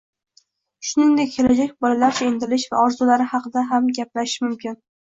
Shuningdek kelajak, bolalarcha intilishi va orzulari haqida ham gaplashish mumkin: